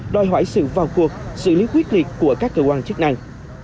đòi hỏi sự vào cuộc xử lý quyết liệt của các cơ quan chức năng